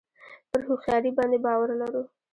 پر هوښیاري باندې باور لرو.